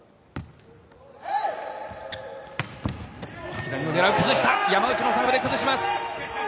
左を狙う、崩した山内のサーブで崩します。